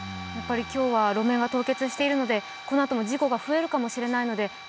路面が凍結しているのでこのあとも事故が増えるかもしれません。